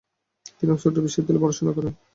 তিনি অক্সফোর্ড বিশ্ববিদ্যালয়ে পড়াশোনা করেন।